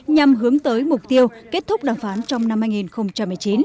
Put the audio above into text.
nhằm hướng tới mục tiêu kết thúc đàm phán trong năm hai nghìn một mươi chín